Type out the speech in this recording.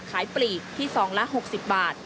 ขายปลีกที่๒ละ๖๐บาท